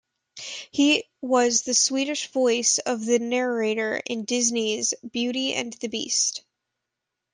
He was the Swedish voice of the Narrator in Disney's "Beauty and the Beast".